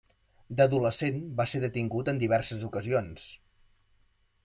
D'adolescent va ser detingut en diverses ocasions.